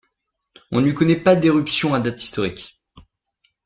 On ne lui connaît pas d'éruption à date historique.